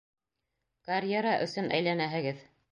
Карьера өсөн әйләнәһегеҙ!